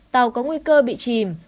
tàu có nguy cơ bị chìm